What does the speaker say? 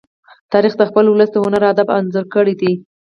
تاریخ د خپل ولس د هنر او ادب انځور دی.